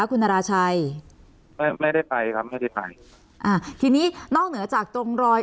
คุณนาราชัยไม่ไม่ได้ไปครับไม่ได้ไปอ่าทีนี้นอกเหนือจากตรงรอย